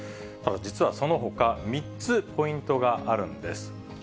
実はそのほか、３つポイントがあるんです。